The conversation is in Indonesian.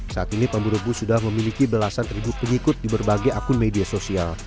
saat ini pemburu bus sudah memiliki belasan ribu pengikut di berbagai akun media sosial